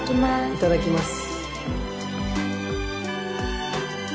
いただきます。